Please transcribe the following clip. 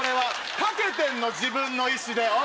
かけてんの自分の意思で。